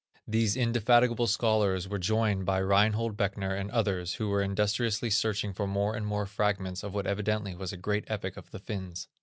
These indefatigable scholars were joined by Reinhold Becker and others, who were industriously searching for more and more fragments of what evidently was a great epic of the Finns.